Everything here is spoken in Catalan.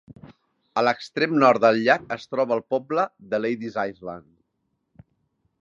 A l'extrem nord del llac es troba el poble de Lady's Island.